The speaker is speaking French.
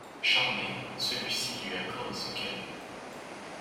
Charmé, celui-ci lui accorde ce qu'elle veut.